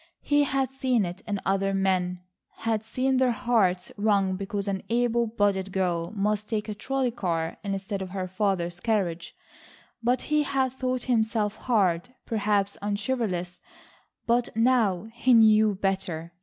He had seen it in other men, had seen their hearts wrung because an able bodied girl must take a trolley car instead of her father's carriage, but he had thought himself hard, perhaps, unchivalrous; but now he knew better.